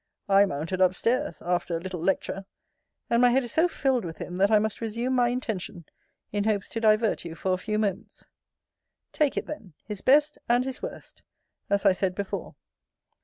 I mounted up stairs, after a little lecture; and my head is so filled with him, that I must resume my intention, in hopes to divert you for a few moments. Take it then his best, and his worst, as I said before.